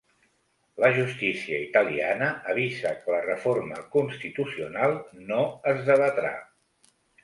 La justícia italiana avisa que la reforma constitucional no es debatrà